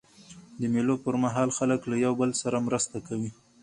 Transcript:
د مېلو پر مهال خلک له یو بل سره مرسته کوي.